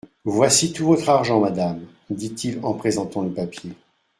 Voici tout votre argent, madame, dit-il en présentant le papier.